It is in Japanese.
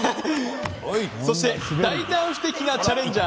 そして大胆不敵なチャレンジャー。